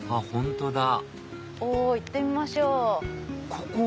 本当だ行ってみましょう！